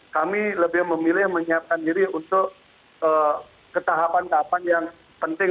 kami lebih memilih menyiapkan diri untuk ketahapan tahapan yang penting